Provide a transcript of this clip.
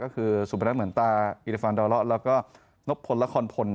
ก็คือสุบัติธรรมเหมือนตาอิริฟันดอลลอร์แล้วก็นกพลและคอนพล